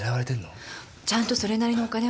ちゃんとそれなりのお金は払うから。